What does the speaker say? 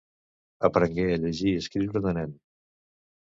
Aprengué a llegir i escriure de nen.